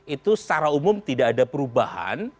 itu secara umum tidak ada perubahan